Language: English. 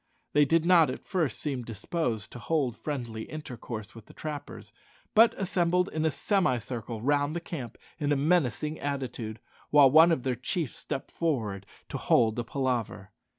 They did not at first seem disposed to hold friendly intercourse with the trappers, but assembled in a semicircle round the camp in a menacing attitude, while one of their chiefs stepped forward to hold a palaver.